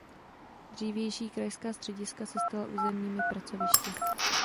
Dřívější krajská střediska se stala územními pracovišti.